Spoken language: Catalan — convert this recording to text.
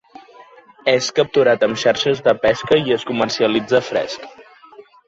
És capturat amb xarxes de pesca i es comercialitza fresc.